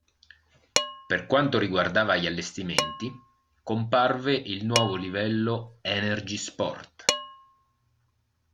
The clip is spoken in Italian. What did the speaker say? Per quanto riguardava gli allestimenti, comparve il nuovo livello "Energie Sport".